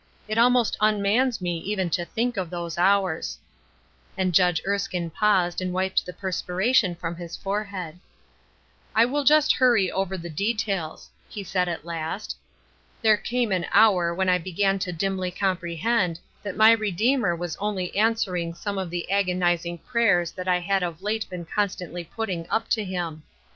It almost un mans me even to think of those hours." And Judge Erskine paused and wiped the perspira tion from his forehead. " I will just hurry over the details," he said at last. ''There came an hour when I began to dimly comprehend that my Redeemer was only answering some of the agonizing prayers that I had of late been con stantly putting up to him.